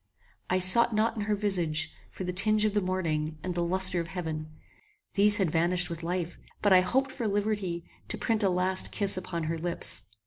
I sought not in her visage, for the tinge of the morning, and the lustre of heaven. These had vanished with life; but I hoped for liberty to print a last kiss upon her lips.